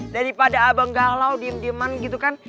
daripada abang galau diem dieman gitu kan